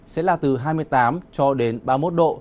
sẽ là từ hai mươi tám ba mươi một độ